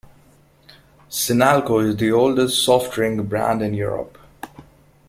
Sinalco is the oldest soft drink brand in Europe.